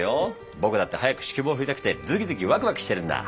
僕だって早く指揮棒振りたくてズキズキワクワクしてるんだ。